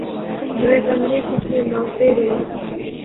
دوئے کمرے اچ اس نے ما پے رہنے